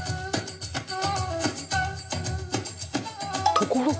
「ところが」？